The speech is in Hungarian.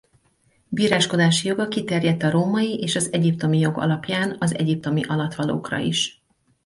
Bíráskodási joga kiterjedt a római és az egyiptomi jog alapján az egyiptomi alattvalókra is.